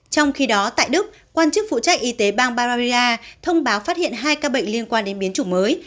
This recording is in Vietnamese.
trong khi đó tại đức quan chức phụ trách y tế bang bararia thông báo phát hiện hai ca bệnh liên quan đến biến chủng mới